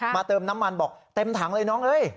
เติมน้ำมันบอกเต็มถังเลยน้องเอ้ย